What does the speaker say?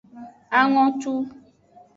Angotu.